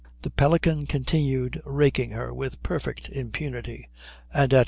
The Pelican continued raking her with perfect impunity, and at 6.